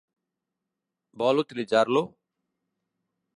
Vol utilitzar-lo?